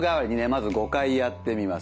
まず５回やってみます。